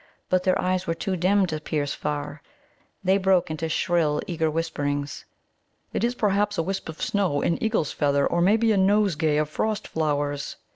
But their eyes were too dim to pierce far. They broke into shrill, eager whisperings. "It is, perhaps, a wisp of snow, an eagle's feather, or maybe a nosegay of frost flowers."